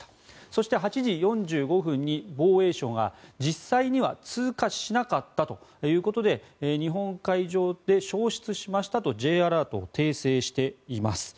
そして、８時４５分に防衛省が実際には通過しなかったということで日本海上で消失しましたとＪアラートを訂正しています。